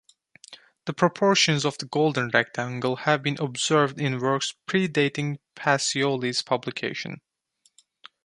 The proportions of the golden rectangle have been observed in works predating Pacioli's publication.